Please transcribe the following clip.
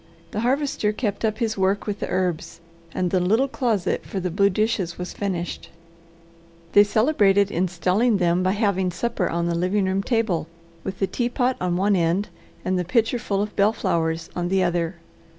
The Harvester kept up his work with the herbs, and the little closet for the blue dishes was finished. They celebrated installing them by having supper on the living room table, with the teapot on one end, and the pitcher full of bellflowers on the other.